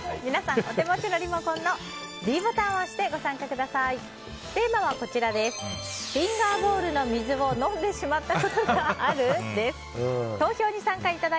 お手持ちのリモコンのｄボタンを押して、ご参加してください。